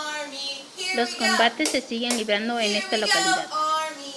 Los combates se sigue librado en esta localidad.